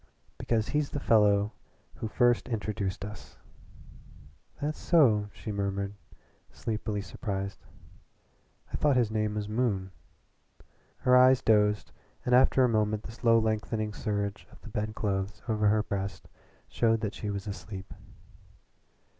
"Because he's the fellow who first introduced us." "That so?" she murmured, sleepily surprised. "I thought his name was Moon." Her eyes dosed, and after a moment the slow lengthening surge of the bedclothes over her breast showed that she was asleep.